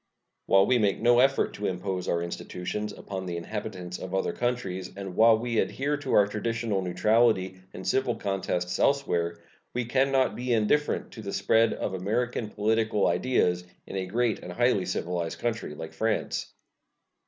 While we make no effort to impose our institutions upon the inhabitants of other countries, and while we adhere to our traditional neutrality in civil contests elsewhere, we can not be indifferent to the spread of American political ideas in a great and highly civilized country like France.